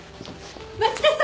待ちなさい！